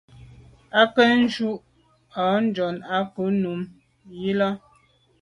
À ke njù à njon à ku’ num i là.